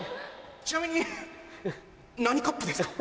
ちなみに何カップですか？